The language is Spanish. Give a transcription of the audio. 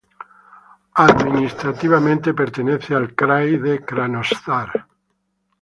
Administrativamente pertenece al krai de Krasnodar.